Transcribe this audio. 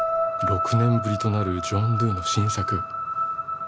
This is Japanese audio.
６年ぶりとなるジョン・ドゥの新作